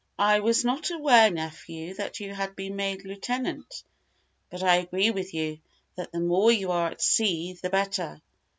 "I was not aware, nephew, that you had been made lieutenant; but I agree with you, that the more you are at sea the better.